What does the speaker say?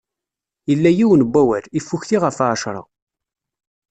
Illa yiwen n wawal, iffukti ɣef ɛecṛa.